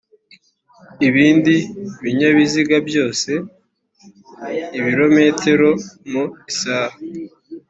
ibindi binyabiziga byose ibirometero mu isaha